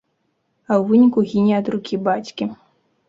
А ў выніку гіне ад рукі бацькі.